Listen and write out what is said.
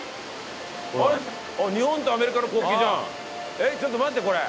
えっちょっと待ってこれ。